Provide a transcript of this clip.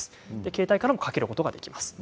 携帯からもかけることもできます。